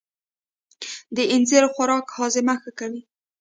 د اینځر خوراک هاضمه ښه کوي.